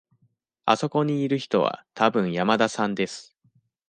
あそこにいる人はたぶん山田さんです。